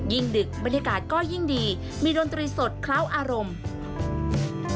ดึกบรรยากาศก็ยิ่งดีมีดนตรีสดเคล้าอารมณ์